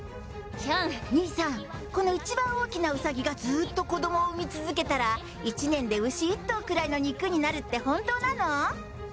兄さん、この一番大きなウサギがずっと子どもを産み続けたら、１年で牛１頭くらいの肉になるって本当なの？